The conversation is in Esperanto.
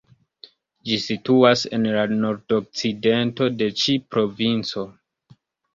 Ĝi situas en la nordokcidento de ĉi provinco.